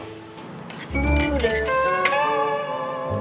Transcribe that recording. tapi tuh dulu deh